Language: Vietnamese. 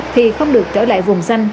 thì không được trở lại vùng xanh